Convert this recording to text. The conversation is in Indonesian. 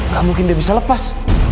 gak mungkin dia bisa lepas